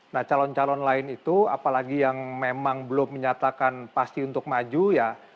nah calon calon lain itu apalagi yang memang belum menyatakan pasti untuk maju ya